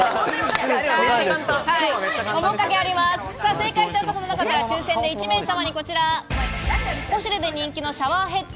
正解した方の中から抽選で１名様にこちら、ポシュレで人気のシャワーヘッド